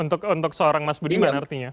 untuk seorang mas budiman artinya